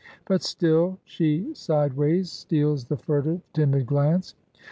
But still, she sideways steals the furtive, timid glance.